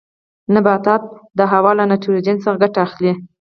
نباتات د هوا له نایتروجن څخه ګټه اخلي.